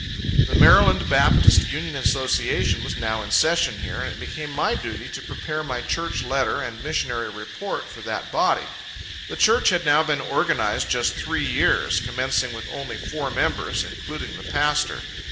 The Md. Baptist Union Association was now in session here, and it became my duty to prepare my church letter and missionary report, for that body. The church had now been organized just three years; commencing with only four members, including the pastor.